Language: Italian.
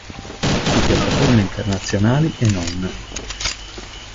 Su piattaforme internazionali e non.